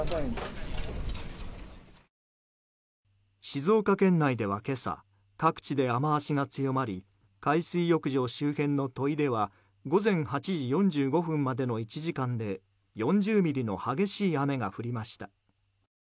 静岡県内では今朝各地で雨脚が強まり海水浴場周辺の土肥では午前８時４５分までの１時間で４０ミリの激しい雨が降りました。